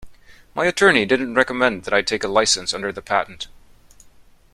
My attorney didn't recommend that I take a licence under the patent.